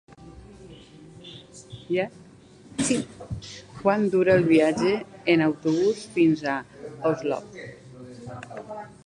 Quant dura el viatge en autobús fins a Olost?